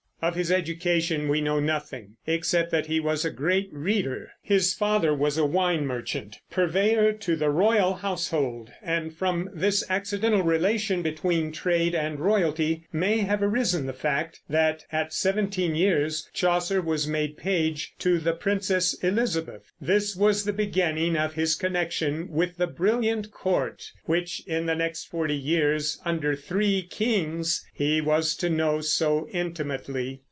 Of his education we know nothing, except that he was a great reader. His father was a wine merchant, purveyor to the royal household, and from this accidental relation between trade and royalty may have arisen the fact that at seventeen years Chaucer was made page to the Princess Elizabeth. This was the beginning of his connection with the brilliant court, which in the next forty years, under three kings, he was to know so intimately.